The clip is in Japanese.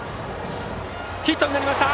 ヒットになりました！